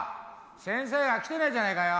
先生が来てないじゃないかよ。